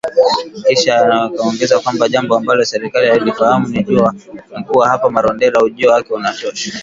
Kisha akaongeza kwamba jambo ambalo serikali hailifahamu ni kuwa hapa Marondera, ujio wake unatosha.”